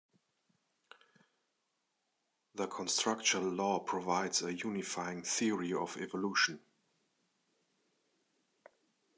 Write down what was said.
The constructal law provides a unifying theory of evolution.